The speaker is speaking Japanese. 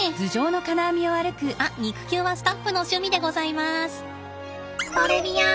あっ肉球はスタッフの趣味でございます。